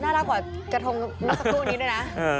น่ารักกว่ากระทงสักตู้นี้ดีด้วยนะ